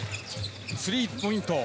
スリーポイント。